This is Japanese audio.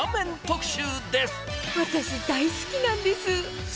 私、大好きなんです。